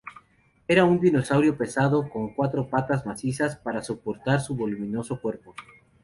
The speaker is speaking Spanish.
Era un dinosaurio pesado, con cuatro patas macizas para soportar su voluminoso cuerpo.